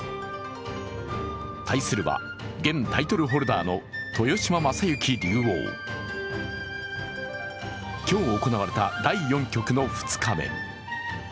対するは、現タイトルホルダーの豊島将之竜王。今日行われた第４局の２日目。